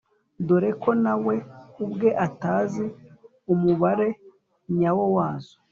dore ko nawe ubwe atazi umubare nyawo wazo.